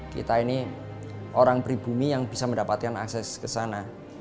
kita ini orang pribumi yang bisa mendapatkan akses ke sana